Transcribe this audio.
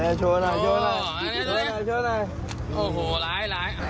โอ้โหร้ายร้าย